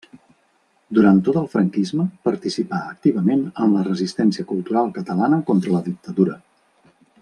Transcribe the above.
Durant tot el franquisme participà activament en la resistència cultural catalana contra la dictadura.